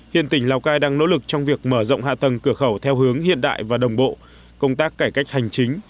hiện tỉnh lào cai đang nỗ lực trong việc mở rộng hạ tầng cửa khẩu theo hướng hiện đại và đồng bộ công tác cải cách hành chính